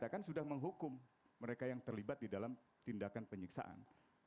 kita kan sudah menghukum mereka yang terlibat di dalam tindakan penyiksaan